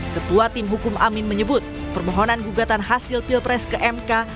ketua tim hukum amin menyebut permohonan gugatan hasil pilpres ke mk